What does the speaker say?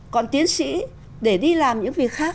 còn tiến sĩ để đi làm những việc khác